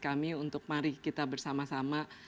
kami untuk mari kita bersama sama